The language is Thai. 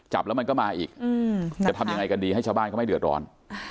จับแล้วมันก็มาอีกจะทำยังไงกันดีให้ชาวบ้านเขาไม่เดือดร้อน